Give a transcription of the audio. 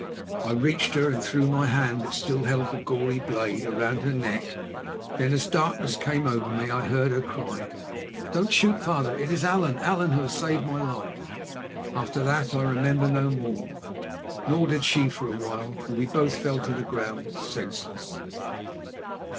I reached her and threw my hand that still held the gory blade round her neck. Then as darkness came over me I heard her cry: "Don't shoot, father. It is Allan, Allan who has saved my life!" After that I remember no more. Nor did she for a while, for we both fell to the ground senseless.